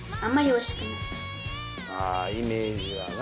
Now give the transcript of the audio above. ああイメージがな。